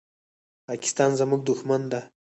پاکستان زموږ دښمن ده.